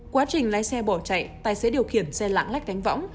quá trình lái xe bỏ chạy tài xế điều khiển xe lãng lách đánh võng